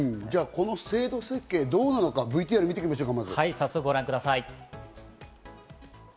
この制度設計はどうなのか、ＶＴＲを見ていきましょう。